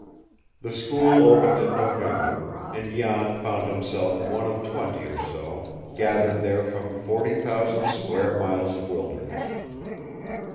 The school opened in November, and Jan found himself one of twenty or so, gathered there from forty thousand square miles of wilderness.